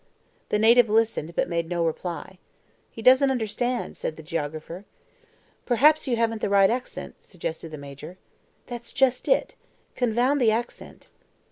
The native listened, but made no reply. "He doesn't understand," said the geographer. "Perhaps you haven't the right accent," suggested the Major. "That's just it! Confound the accent!"